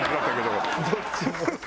どっちも。